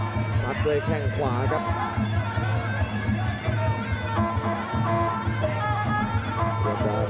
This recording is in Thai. พยายามจะไถ่หน้านี่ครับการต้องเตือนเลยครับ